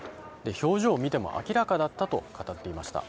表情を見ても明らかだったと語っていました。